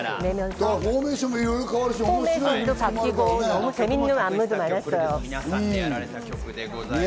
フォーメーションもいろいろ変わるし、面白いね。